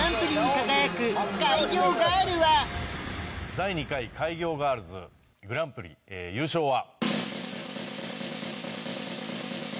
第２回開業ガールズグランプリ優勝は。